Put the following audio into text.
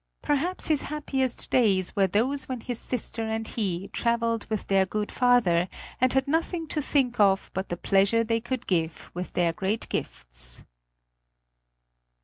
Perhaps his happiest days were those when his sister and he traveled with their good father, and had nothing to think of but the pleasure they could give with their great gifts.